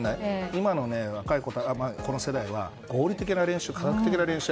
今の若い世代は合理的な練習、科学的な練習。